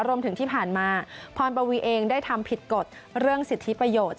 รวมถึงที่ผ่านมาพรปวีเองได้ทำผิดกฎเรื่องสิทธิประโยชน์